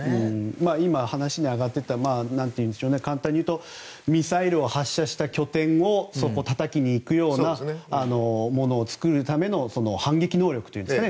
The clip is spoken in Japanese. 今、話にあったミサイルを発射した拠点をたたきにいくようなものを作るための反撃能力というんですかね。